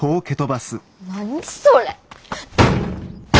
何それ。